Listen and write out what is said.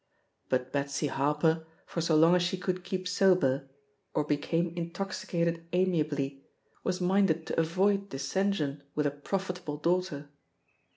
But Betsy Harper, for so long as she could keep so ber, or became intoxicated amiably, was minded to avoid dissension with a profitable daughter.